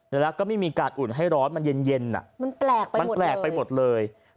แล้วก็ไม่มีการอุ่นให้ร้อนมันเย็นมันแปลกไปมันแปลกไปหมดเลย